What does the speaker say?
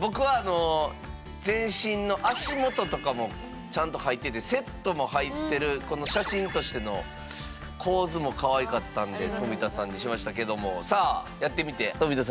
僕は全身の足元とかもちゃんと入っててセットも入ってるこの写真としての構図もかわいかったんで富田さんにしましたけどもさあやってみて富田さん